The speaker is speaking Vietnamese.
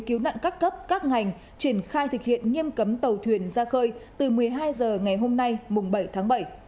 cứu nạn các cấp các ngành triển khai thực hiện nghiêm cấm tàu thuyền ra khơi từ một mươi hai h ngày hôm nay mùng bảy tháng bảy